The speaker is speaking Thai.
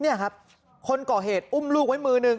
นี่ครับคนก่อเหตุอุ้มลูกไว้มือหนึ่ง